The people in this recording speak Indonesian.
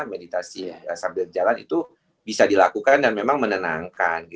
meditasi sambil berjalan itu bisa dilakukan dan memang menenangkan